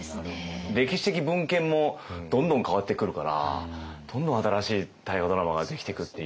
歴史的文献もどんどん変わってくるからどんどん新しい大河ドラマができていくっていう。